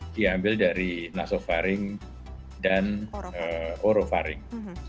diambil dari nasofaring dan orofaring